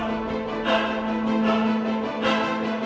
aku belum canggah managed by t satu